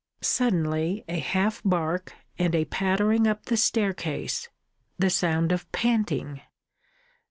Suddenly a half bark and a pattering up the staircase; the sound of panting.